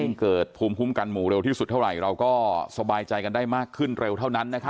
เกิดภูมิคุ้มกันหมู่เร็วที่สุดเท่าไหร่เราก็สบายใจกันได้มากขึ้นเร็วเท่านั้น